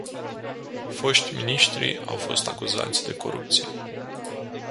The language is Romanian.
Foști miniștri au fost acuzați de corupție.